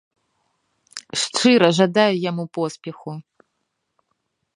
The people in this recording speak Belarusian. Шчыра жадаю яму поспеху.